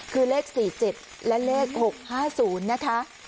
คือเลข๔๗และเลข๖๕๐นะคะ